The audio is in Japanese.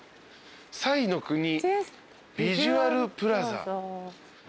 彩の国ビジュアルプラザ。